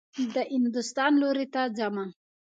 د هندوستان لوري ته حمه.